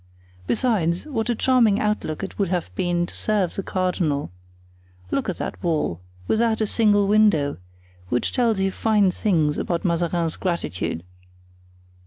Besides, what a charming outlook it would have been to serve the cardinal! Look at that wall—without a single window—which tells you fine things about Mazarin's gratitude!"